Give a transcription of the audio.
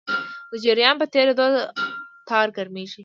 د جریان په تېرېدو تار ګرمېږي.